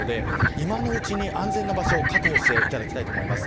今のうちに安全な場所を確保していただきたいです。